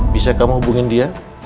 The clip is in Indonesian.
bisa kamu hubungin dia